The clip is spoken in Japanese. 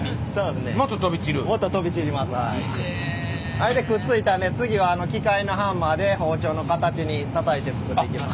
あれでくっついたんで次は機械のハンマーで包丁の形にたたいてつくっていきます。